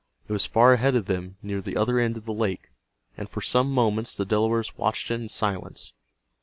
It was far ahead of them near the other end of the lake, and for some moments the Delawares watched it in silence.